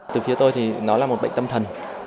từ phía tôi thì nó là một bệnh tâm thần